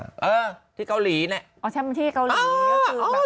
เออที่เกาหลีนะใช่ไหมที่เกาหลี